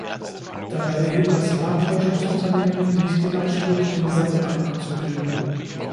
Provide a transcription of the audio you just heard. Dabei erhebt das Marktforschungsunternehmen nicht den Anspruch, den Gesamtmarkt abzubilden.